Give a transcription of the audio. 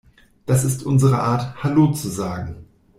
Das ist unsere Art, Hallo zu sagen.